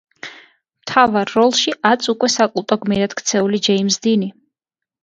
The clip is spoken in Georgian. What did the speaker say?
მთავარ როლში აწ უკვე საკულტო გმირად ქცეული ჯეიმზ დინი.